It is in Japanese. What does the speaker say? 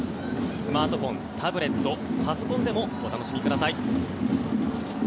スマートホン、タブレットパソコンでもお楽しみください。